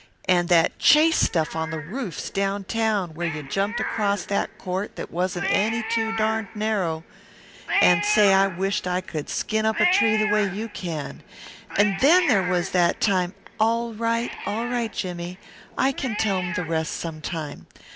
And that chase stuff on the roofs down town where you jumped across that court that wasn't any too darned narrow, an' say, I wisht I could skin up a tree the way you can. An' there was that time " "All right, all right, Jimmie. I can tell him the rest sometime.